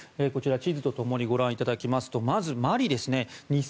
こちら地図と共にご覧いただきますとまずマリですね。